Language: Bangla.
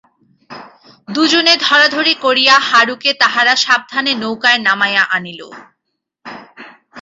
দুজনে ধরাধরি করিয়া হারুকে তাহারা সাবধানে নৌকায় নামাইয়া আনিল।